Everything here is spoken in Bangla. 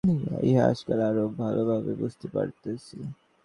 আমরা নূতন নূতন ভাবের আলোকে ইহা আজকাল আরও ভালভাবে বুঝিতে পারিতেছি।